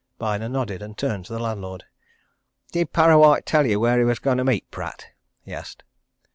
Byner nodded and turned to the landlord. "Did Parrawhite tell you where he was going to meet Pratt?" he asked.